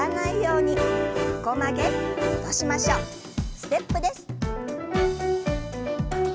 ステップです。